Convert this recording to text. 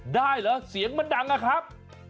ได้เหรอเสียงมันดังอะครับ